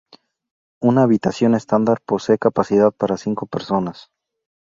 Una habitación estándar posee capacidad para cinco personas.